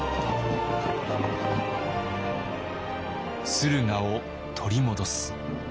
「駿河を取り戻す」。